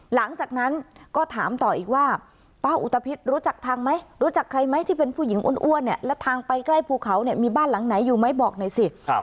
หลังจากนั้นก็ถามต่ออีกว่าป้าอุตภิษรู้จักทางไหมรู้จักใครไหมที่เป็นผู้หญิงอ้วนเนี่ยแล้วทางไปใกล้ภูเขาเนี่ยมีบ้านหลังไหนอยู่ไหมบอกหน่อยสิ